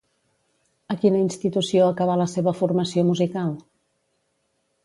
A quina institució acabà la seva formació musical?